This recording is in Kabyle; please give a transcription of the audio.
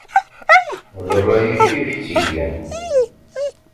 D rray-ik i ak-tt-igan!